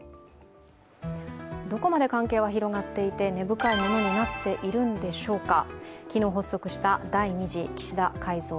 どこまで関係は広がっていて根深いものになっているのでしょうか。